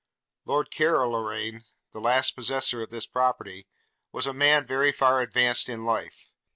Lord Carloraine, the last possessor of this property, was a man very far advanced in life.